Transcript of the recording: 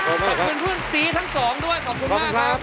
ขอบคุณเพื่อนซีทั้งสองด้วยขอบคุณมากครับ